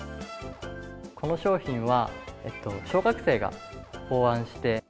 この商品は、小学生が考案して。